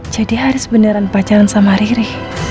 jadi haris beneran pacaran sama riri